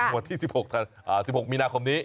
วันที่๑๖๑๖มีนาคมนี้